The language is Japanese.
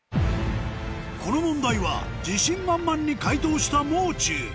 この問題は自信満々に解答した「もう中」